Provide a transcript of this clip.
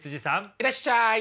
いらっしゃい。